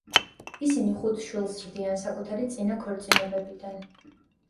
ისინი ხუთ შვილს ზრდიან, საკუთარი წინა ქორწინებებიდან.